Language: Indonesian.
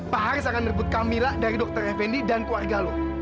pak haris akan merebut camilla dari dokter fendi dan keluarga lo